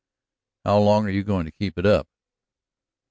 "How long are you going to keep it up?"